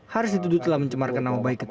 haris dituduh telah mencemarkan nama baik ketika